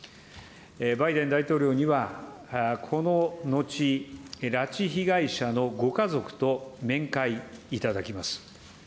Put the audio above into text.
バイデン大統領には、こののち、拉致被害者のご家族と面会いただきます。